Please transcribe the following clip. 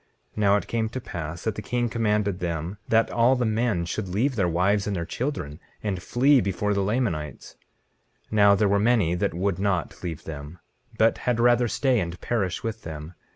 19:11 Now it came to pass that the king commanded them that all the men should leave their wives and their children, and flee before the Lamanites. 19:12 Now there were many that would not leave them, but had rather stay and perish with them.